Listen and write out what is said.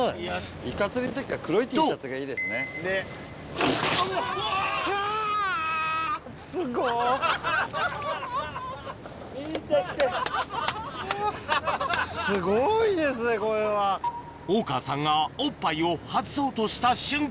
・イカ釣りの時は黒いＴシャツが・とすごいですねこれは。大川さんがおっぱいを外そうとした瞬間